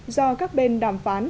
do các bên đàm phán gồm